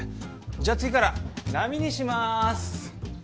じゃあ次から並にします。